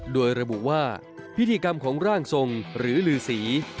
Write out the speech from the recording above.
โดยระบุว่าพิธีกรรมของร่างทรงหรือลือสี